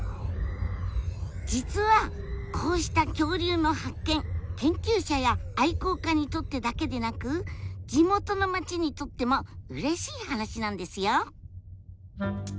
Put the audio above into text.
実はこうした恐竜の発見研究者や愛好家にとってだけでなく地元の町にとってもうれしい話なんですよ。